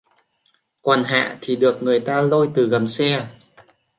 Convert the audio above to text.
Còn Hạ thì được người ta lôi từ gầm xe